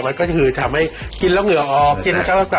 มันก็คือทำให้กินแล้วเหงื่อออกกินข้าวต่อ